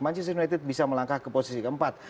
manchester united bisa melangkah ke posisi keempat